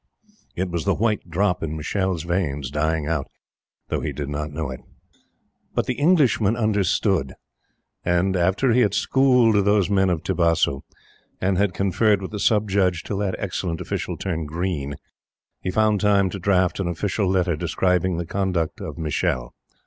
It was the White drop in Michele's veins dying out, though he did not know it. But the Englishman understood; and, after he had schooled those men of Tibasu, and had conferred with the Sub Judge till that excellent official turned green, he found time to draught an official letter describing the conduct of Michele.